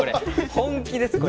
本気ですこれ。